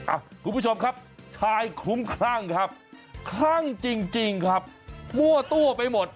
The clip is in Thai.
อ่ะคุณผู้ชมครับชายคลุ้มคลั่งครับคลั่งจริงจริงครับมั่วตัวไปหมด